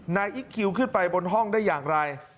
นายอิ๊กเค้วขึ้นไปบนห้องได้อย่างไร